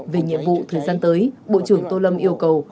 về nhiệm vụ thời gian tới bộ trưởng tô lâm yêu cầu